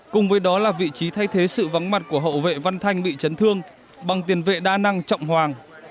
cùng với đó là vị trí thay thế sự vắng mặt của hậu vệ văn thanh bị chấn thương bằng tiền vệ đa năng trọng hoàng